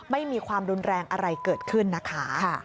ไม่มีความรุนแรงอะไรเกิดขึ้นนะคะ